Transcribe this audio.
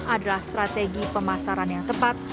adalah strategi pemasaran yang tepat